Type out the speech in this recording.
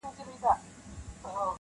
• غړوي سترګي چي ویښ وي پر هر لوري -